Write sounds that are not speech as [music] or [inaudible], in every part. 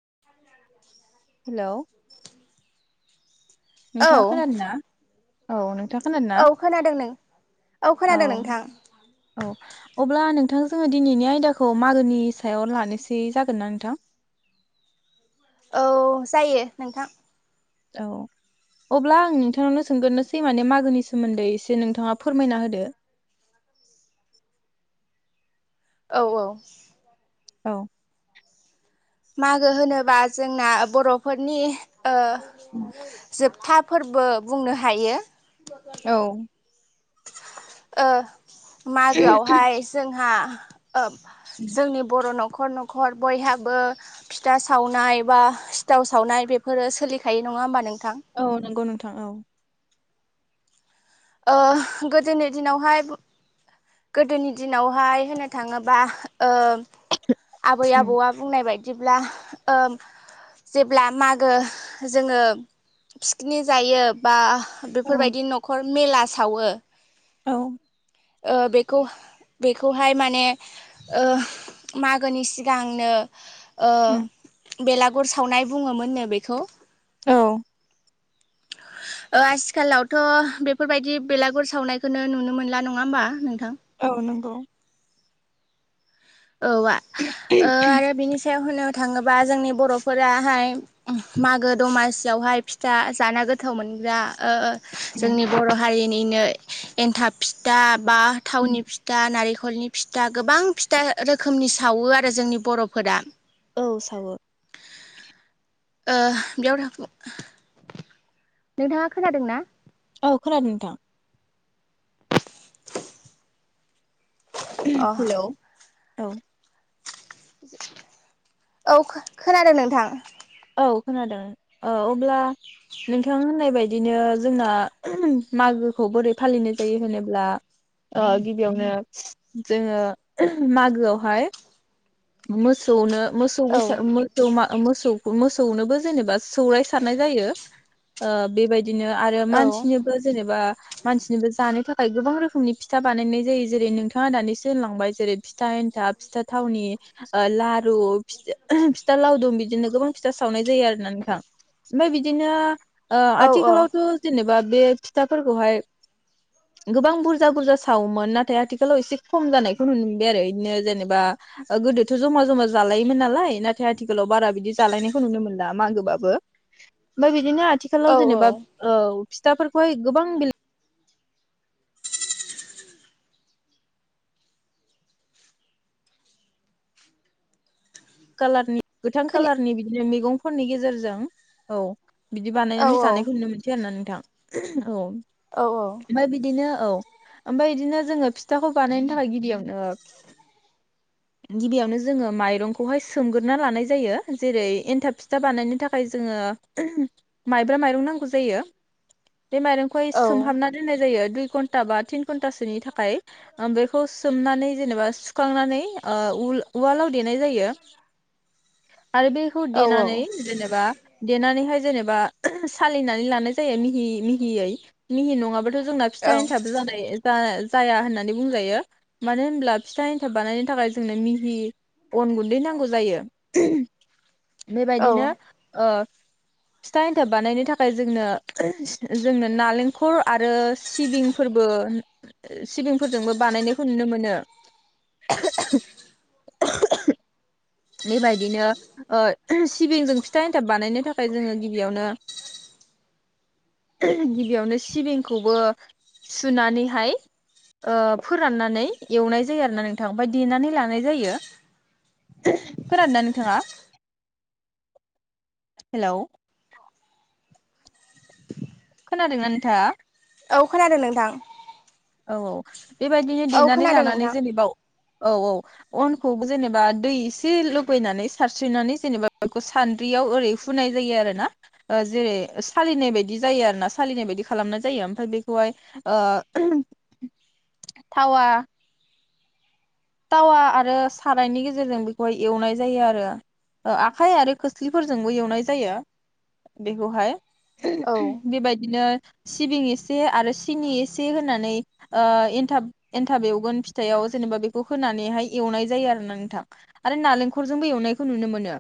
[unintelligible] Hello नोंथाङा औ खोनादों ना औ नोंथाङा खोनादों ना औ खोनादों नों औ खोनादों नोंथां औ अब्ला नोंथां जोङो दिनैनि आयदाखौ मागोनि सायाव लानोसै जागोन ना नोंथां औ जायो नोंथां औ अब्ला आं नोंथांनानो सोंगोरनोसै माने मागोनि सोमोन्दै एसे नोंथाङा फोरमायना होदो औ औ औ मागो होनोबा जोंना बर'फोरनि ओ उम जोबथा फोरबो बुंनो हायो औ ओ मागोआवहाय जोंहा [unintelligible] ओ जोंनि बर' न' खर न'खर बयहाबो फिथा सावनाय बा सिथाव सावनाय बेफोरो सोलिखायो नङा होमबा नों औ नंगौ नों थां औ ओ गोदोनि दिनावहाय गोदोनि दिनावहाय होननो थाङोबा ओ आबै औ आबौआ बुंनाय बायदि दिब्ला जेब्ला मागो जोङो फिकनिक जायो बा औ बेफोर बायदि न'खर मेला सावो औ ओ बेखौ बेखौहाय माने ओह मागोनि सिगांनो ओ बेलागुर सावनाय बुङोमोन नो बेखौ औ ओ आथिखालावथ' बेफोरबायदि बेलागुर सावनायखो नो नुनो मोनला नङा होनबा नोंथां? औ नंगौ औ आ ओ आरो बिनि सायाव होननो थाङोबा जोंनि बर'फोराहाय मागो दमासियावहाय फिथा जाना गोथाव मोनग्रा ओ जोंनि बर' हारि निनो एनथाब फिथा बा थावनि फिथा नारिख खलनि फिथा गोबां फिथ ता रोखोमनि सावो आरो जोंनि बर'फोरा औ सावो ओह बेयाव था नोंथाङा खोनादों ना? औ खोनादों नोंथां [unintelligible] अ हेलौ। औ। औ खो खोनादों नोंथां। औ खोनादों ओ अब्ला नोंथां होननाय बादिनो जोंना मागोखौ बोरै फालिनाय जायो होनोब्ला ओ गिबियावनो जोङो मागोआवहाय मोसौनो मोसौ बैसाग औ मोसौ मा मोसौ। मोसौनोबो जेनेबा सौराय सारनाय जायो ओ बेबायदि बिदिनो आरो औ मानसिनोबो जेनेबा मानसिनिबो जानो थाखाय गोबां रोखोमनि फिथा बानायनाय जायो जेरै नोंथाङा दानिसो होनलांबाय जेरै फिथा एन्थाब फिथा थावनि ओ लारु फि फिथा लावदुम बिदिनो गोबां फिथा सावनाय जायो आरोना नोंथां ओमफाय बिदिनो ओ औ आथिखालावथ जेनेबा। बे फिथाफोरखौहाय गोबां बुरजा बुरजा सावोमोन नाथाय आथिखालाव एसे खम जानायखौ नुनो मोनबाय आरो इदिनो जेनेबा ओ गोदोथ जमा जमा जालायोमोन नालाय नाथाय आथिखालाव बारा बिदि जालायनायखौ नुनो मोनला मागोबाबो ओमफ्राय बि दिनो औ आथिखालाव औ जेनेबा औ। फिथाफोरखौहाय गोबां बिल। कालारनि। गोथां खोना कालारनि बिदिनो मैगं फननि गेजेरजों औ। बिदि औ बानायनानै जानायखौ नुनो मोनसै आरोना नों। थां औ। औ औ ओमफाय बिदिनो औ ओमफाय इदिनो जोङो फिथाखौ बानायनो थाखाय गिबियावनो गिबियावनो जोङो माइरंखौहाय सोमगोरोना लानाय जायो जेरै एन्थाब फिथा बानायनो थाखाय जोङो माइब्रा माइरं नांगौ जायो। बे माइरंखौ हाय सोमहाबना दोननाय जायो। दुइ घन्टा बा थिन घन्टासोनि थाखाय ओ बेखौ सोमनानै जेनेबा सुखांनानै ओ उल उवालाव देनाय जायो। आरो बेखौ देनानै जेनेबा देनानैहाय। जेनेबा सालिनानै लानाय जायो मिहि मिहियै मिहि नंङाब्ला जोंना औ फिथाइ एन्थाब जानाय जा जाया होननानै बुंजायो मानो होनब्ला फिथा एन्थाब बानायनो थाखाय जोंनो मिहि अन गुन्दै नांगौ जायो। औ बेबायदिनो ओ फिथा एन्थाब बानायनो थाखाय जोंनो जोंनो नालेंखल आरो सिबिंफोरबो सिबिंफोरजोंबो बानायनायखौ नुनो मोनो। [unintelligible] बेबायदिनो ओ सिबिंजों फिथा एन्थाब बानायनो थाखाय जोङो गिबियावनो गिबियावनो सिबिंखौबो सुनानैहाय ओ फोराननानै एवनाय जायो आरोना नोंथां ओमफाय देनानै लानाय जायो खोनादोंना नोंथाङा हेलौ। खोनादोंना नोंथाङा? औ खोनादों नोंथां औ औ बेबायदिनो औ देनानै खोनादों नोंथां लानानै जेनेबाव औ औ अनखौ जेनेबा दै एसे लुबैनानै सारस्रिनानै जेनेबा बेखौ सान्द्रियाव ओरै फुनाय जायो आरो ना जेरै सालिनाय बायदि जायो आरो ना सालिनाय बायदि खालामनाय जायो ओमफ्राय बेखौहाय ओ थावा थटावा आरो सारायनि गेजेरजों बेखौहाय एवनाय जायो आरो आखाइ आरो खोस्लिफोरजोंबो एवनाय जायो बेखौहाय औ बेबायदिनो सिबिं एसे आरो सिनि एसे होनानै एन्थाब एन्थाब एवगोन फिथाइआव जेनेबा बे खौ होनानैहाय एवनाय जायो आरो ना नोंथां आरो नालेंखलजोंबो एवनायखौ नुनो मोनो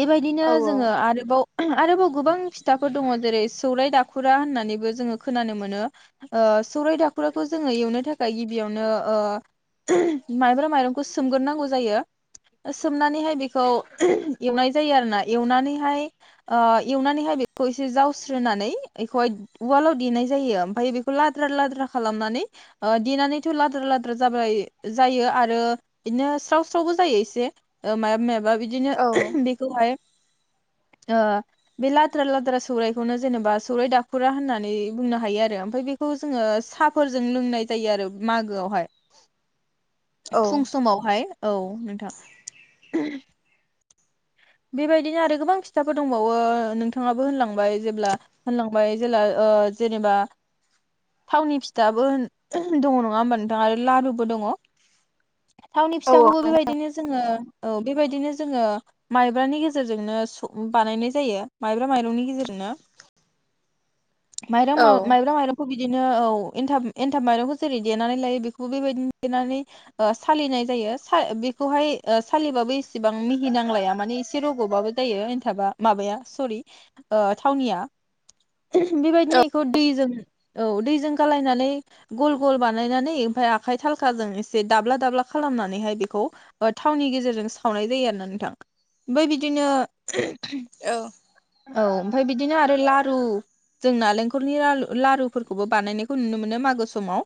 बेबायदिनो औ जोङो आरोबाव आरोबाव गोबां फिथाफोर दङ जेरै सौरायाइ दाखुरा होननानैबो जोङो खोनानो मोनो सौरायाइ दाखुराखौ जोङो एवनो थाखाय गिबियावनो माइब्रा माइरंखौ सोमग्रोनांगौ जायो सोमनानैहाय बेखौ एवनाय जायो आरोना एवनानैहाय एवनानैहाय बेखौ एसे जावस्रोनानै बेखौहाय उवालाव देनाय जायो ओमफ्राय बेखौ लाद्रा लाद्रा खालामनानै देनानैथ' लाद्रा लाद्राल जाबाय जायो आरो बिदिनो साव स्रावबो जायो इसे। ओ मायाबा मायबा बिदिनो औ बेखौहाय बे लाद्रा लाद्रा सौरायखौनो जेनेबा सौराय दाखुरा होननानै बुंनो हायो आरो ओमाय बेखौ जोङो साहाफोरजों लोंनाय जायो आरो मागोआवहाय औ फुं समावहाय औ नोंथां बेबायदिनो आरो गोबां फिथाफोर दंबावो नोंथाङाबो होनलांबाय जेब्ला होनलांबाय जेब्ला जेनेबा थावनि फिथाबो दङ नङा होमबा नोंथाङा आरो लारुबो दङ थावनि फिथाखौबो बेबायदिनो जोङो औ बेबायदिनो जोङो माइब्रानि गेजेरजोंनो बानायनाय जायो माइब्रा माइरंनि गेजेरजोंनो माइरं औ म-माइरं माइरंखौ बि बिदिनो औ एनथाब एनथाब माइरंखौ जेरै देनानै लायो बे बेबायदि नेनानै सालिनाय जायो बेखौहाय सालिबाबो इसेबां मिहि नांलाया माने एसे रग'बाबो जायो एन्थाबा माबाया सरि थावनिया बेबायदिनो बेखौ दैजों औ दैजों गालायनानै गल गल बानायनानै ओमफफ्राय आखाइ थालखाजों एसे दाब्ला दाब्ला खालामनानैहाय बेखौ थावनि गेजेरजों सावनाय जायो आरो नोंथां ओमफ्राय बिदिनो औ औ ओमफ्राय बिदिनो आरो लारु जों नालेंखलनि लारुफोरखौबो बानायनायखौ नुनो मोनो मागो समाव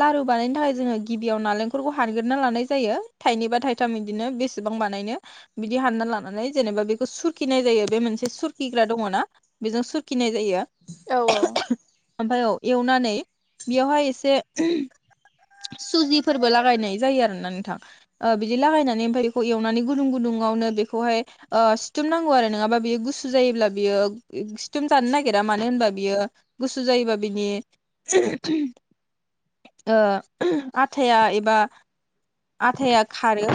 लारु बानायनो थाखाय जोङो गिबियाव नालेंखलखौ हानगेरना लानाय जायो थाइनैबा थाइथाम बिदिनो बेसेबां बानायनो बिदि हानना लानानै जेनेबा बेखौ सुरखिनाय जायो बे मोनसे सुरखिग्रा दङना बेजों सुरखिनाय जायो औ औ ओमफ्राय औ एवनानै बेयावहाय एसे सुजिफोरबो लागायनाय जायो आरोना नोंथां बिदि लागायनानै मफ्राय बेखौ एवनानै गुदुं गुदुंआवनो बेखौहाय सिथुमनांगौ आरो बियो गुसु जायोब्ला बियो सिथम जानो नागिरा मानो होनबा बियो गुसु जायोबा बिनि आथाया एबा आथाया खारो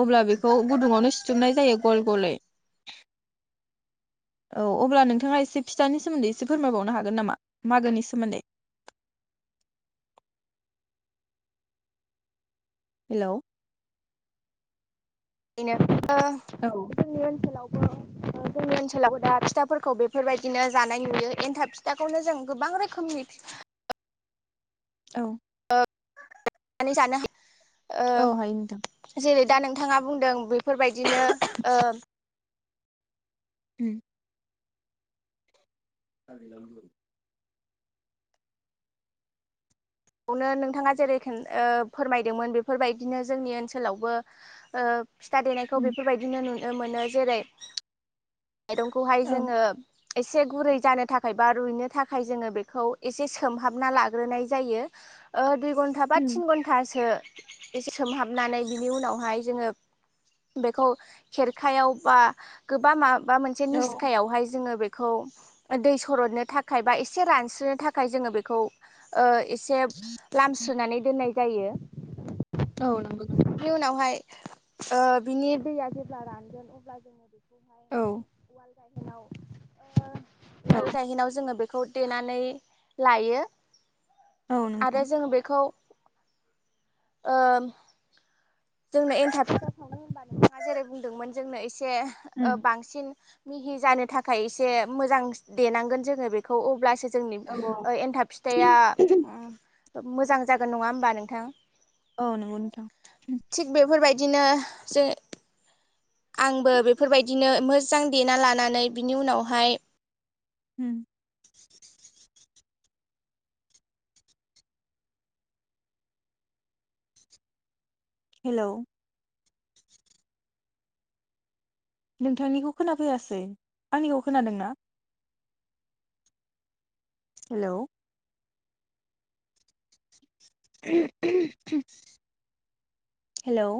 अब्ला बेखौ गुदुङावनो सिथुमनाय जायो गल गलै औ अब्ला नोंथाङा एसे फिथानि सोमोन्दै एसे फोरमायबावनो हागोन नामा मागोनि सोमोन्दै हेल' बेनो औ जोंनि ओनसोलाव जोंनि ओनसोलावबो दा फिथाफोरखौ बेफोरबायदिनो जानाय नुयो एन्थाब फिथाखौनो जों गोबां रोखोमनि औ आ जाना औ हायो नोंथां ओ जेरै दा नोंथाङा बुंदों बेफोरबायदिनो ओ [inaudible] आ नांगांग बेयावनो नोंथाङा जेरैख फोरमायदोंमोन बेफोरबायदिनो जोंनि ओनसोलावबो फिथा देनायखौ उम बेफोरबायदिनो नु मोनो जेरै माइरंखौहाय औ जोङो एसे गुरै जानो थाखाय बा रुइनो थाखाय जोङो बेखौ एसे सोमहाबना लाग्रोनाय जायो। दुइ घन्टा बा उम थिन घन्टासो एसे सोमहाबनानै बिनि उनावहाय जोङो बेखौ खेरखायाव बा गोबां माब बा मोनसे औ निस्कायावहाय जोङो बे बखौ दै सरदनो थाखाय बा एसे रानस्रोननो थाखाय जोङो बेखौ ओ से लाम सोनानै दोननाय जायो। औ नंगौ नोंथां बिनि उनावहाय बिनि दैया जेब्ला रानगोन अब्ला जोङो औ [inaudible] औ बे जायहनाव जोङो बे खौ देनानै लायो। औ आरो नंगौ जोङो बेखौ ओ जोंनो एन्थाब फेन्था सावनो होनबा नोंथाङा जेरै बुंदोंमोन जोंनो एसे औ ओ बांसिन मिहि जानो थाखाय एसे मोजां देनांगोन जोङो बेखौ अब्लासो जोंनि औ एनथाब फिथाइया उम मोजां जागोन नङा होमबा नोंथां औ नंगौ नोंथां थिग बेफोरबायदिनो जों आंबो बेफोरबायदिनो मोजां देना लानानै बिनि उनावहाय उम हेलौ, नोंथांनिखौ खोनाफैयासै आंनिखौ खोनादोंना हेलौ, हेलौ,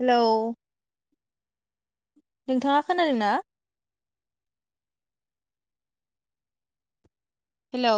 हेलौ, नोंथाङा खोनादों ना हेलौ,